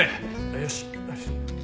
よしよし。